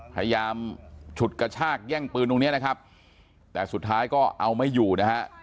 ฉุดกระชากแย่งปืนตรงเนี้ยนะครับแต่สุดท้ายก็เอาไม่อยู่นะฮะ